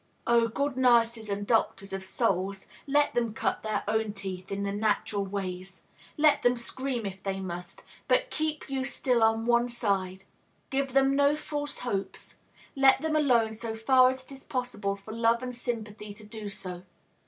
Oh, good nurses and doctors of souls, let them cut their own teeth, in the natural ways. Let them scream if they must, but keep you still on one side; give them no false helps; let them alone so far as it is possible for love and sympathy to do so.